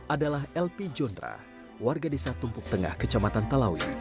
adalah lp jondra warga desa tumpuk tengah kecamatan talawi